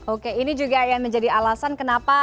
oke ini juga yang menjadi alasan kenapa